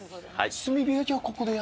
炭火焼はここで。